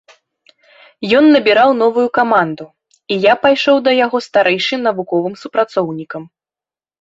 Ён набіраў новую каманду, і я пайшоў да яго старэйшым навуковым супрацоўнікам.